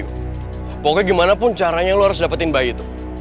pokoknya gimana pun caranya lo harus dapetin bayi itu